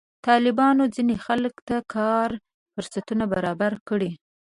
طالبانو ځینې خلکو ته کار فرصتونه برابر کړي.